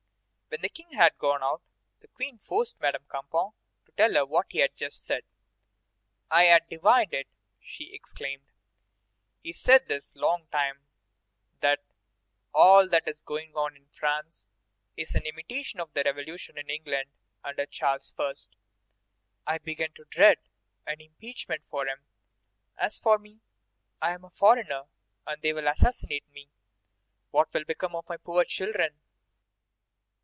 When the King had gone out, the Queen forced Madame Campan to tell her what he had just said. "I had divined it!" she exclaimed. "He has said this long time that all that is going on in France is an imitation of the revolution in England under Charles I. I begin to dread an impeachment for him. As for me, I am a foreigner, and they will assassinate me. What will become of my poor children?"